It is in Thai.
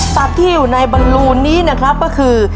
ที่อยู่ในบรรลูนนี้นะครับก็คือ